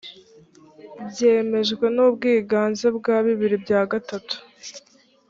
byemejwe n ubwiganze bwa bibiri bya gatatu